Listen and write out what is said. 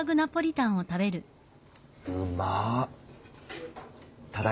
うまっ。